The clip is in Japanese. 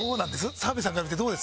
澤部さんから見てどうです？